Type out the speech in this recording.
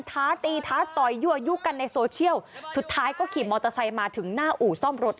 ท้าตีท้าต่อยยั่วยุกันในโซเชียลสุดท้ายก็ขี่มอเตอร์ไซค์มาถึงหน้าอู่ซ่อมรถ